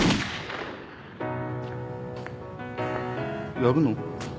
やるの？